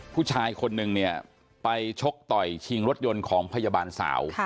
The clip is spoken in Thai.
ผู้ชายคนนึงเนี่ยไปชกต่อยชิงรถยนต์ของพยาบาลสาว